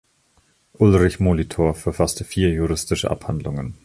Ulrich Molitor verfasste vier juristische Abhandlungen.